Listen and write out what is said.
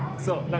そう。